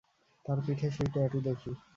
তার পিঠে সেই ট্যাটু দেখি।